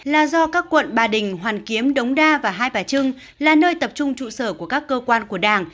là do các quận ba đình hoàn kiếm đống đa và hai bà trưng là nơi tập trung trụ sở của các cơ quan của đảng